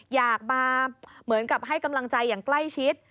อยากมาเหมือนกับให้กำลังใจอย่างใกล้ชิด